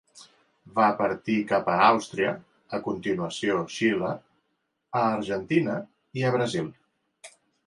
Va partir cap a Àustria, a continuació a Xile, a Argentina i a Brasil.